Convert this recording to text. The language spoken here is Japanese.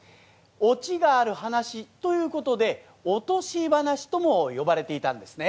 オチがある話ということで落とし噺とも呼ばれていたんですね。